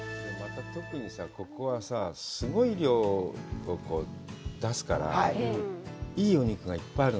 ここはすごいものを出すから、いいお肉がいっぱいあるの。